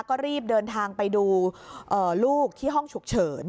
ก็รีบเดินทางไปดูลูกที่ห้องฉุกเฉิน